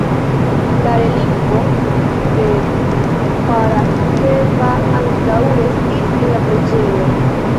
La relikvo de Paraskeva ankaŭ restis en la preĝejo.